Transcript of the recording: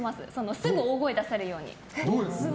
すぐ大声出せるように。